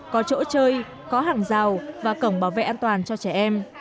có chỗ chơi có hàng rào và cổng bảo vệ an toàn cho trẻ em